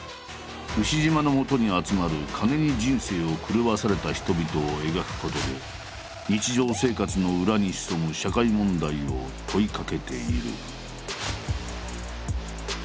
丑嶋のもとに集まる金に人生を狂わされた人々を描くことで日常生活の裏に潜む社会問題を問いかけている。